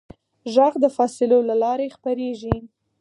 غږ د فاصلو له لارې خپرېږي.